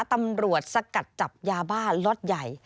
ตำรวจสกัดจับยาบ้าล็อตใหญ่